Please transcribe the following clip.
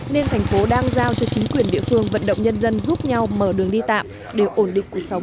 nên thành phố đang giao cho chính quyền địa phương vận động nhân dân giúp nhau mở đường đi tạm để ổn định cuộc sống